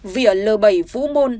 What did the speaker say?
vỉa l bảy vũ môn